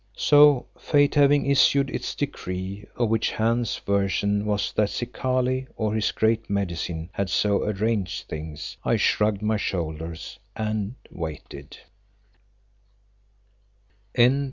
So Fate having issued its decree, of which Hans's version was that Zikali, or his Great Medicine, had so arranged things, I shrugged my shoulders and waited.